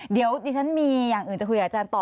เดี๋ยวดิฉันมีอย่างอื่นจะคุยกับอาจารย์ต่อ